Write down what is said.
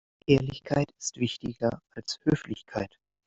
Ehrlichkeit ist wichtiger als Höflichkeit.